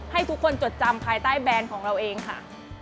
ให้ทุกคนจดจำภายใต้แบรนด์ของเราเองค่ะ